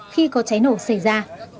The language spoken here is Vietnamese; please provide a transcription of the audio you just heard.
khi có cháy nổ xảy ra